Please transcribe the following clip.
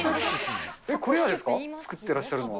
これですか、作ってらっしゃるのは。